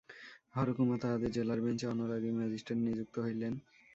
হরকুমার তাঁহাদের জেলার বেঞ্চে অনরারি ম্যাজিস্ট্রেট নিযুক্ত হইলেন।